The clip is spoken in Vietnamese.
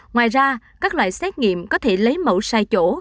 ngoài ra các loại xét nghiệm có thể lấy mẫu sai chỗ